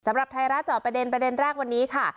สำหรับไทยราชจอดประเด็นประเด็นแรกวันนี้ค่ะ